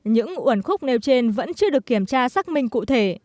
những uẩn khúc nêu trên vẫn chưa được kiểm tra xác minh cụ thể